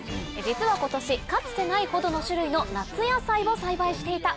実は今年かつてないほどの種類の夏野菜を栽培していた！